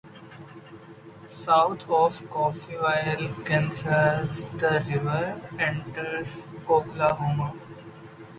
South of Coffeyville, Kansas, the river enters Oklahoma.